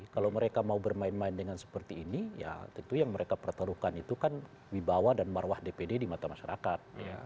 kalau mereka mau bermain main dengan seperti ini ya tentu yang mereka pertaruhkan itu kan wibawa dan marwah dpd di mata masyarakat